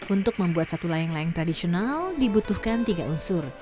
untuk membuat satu layang layang tradisional dibutuhkan tiga unsur